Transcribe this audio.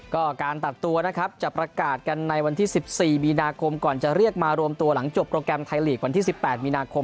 ก็การตัดตัวนะครับจะประกาศกันในวันที่๑๔มีนาคมก่อนจะเรียกมารวมตัวหลังจบโปรแกรมไทยลีกวันที่๑๘มีนาคม